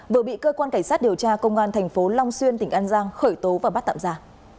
vừa bị cơ quan cảnh sát điều tra công an thành phố long xuyên tỉnh an giang khởi tố và bắt tạm giả